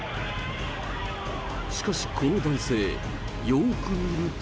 しかし、この男性、よーく見ると。